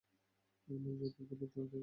আমার জুতা ধুলোতে একাকার।